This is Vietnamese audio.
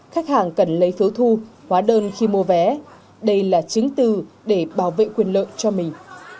khách hàng cần lấy phiếu thu hóa đơn khi mua vé đây là chứng từ để bảo vệ quyền lợi cho mình